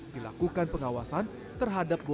dilakukan pengawasan terhadap kota solo